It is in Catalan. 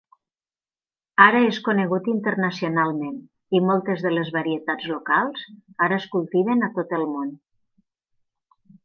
Ara és conegut internacionalment, i moltes de les varietats locals, ara es cultiven a tot el món.